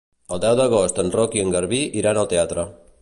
El deu d'agost en Roc i en Garbí iran al teatre.